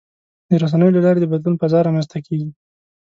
د رسنیو له لارې د بدلون فضا رامنځته کېږي.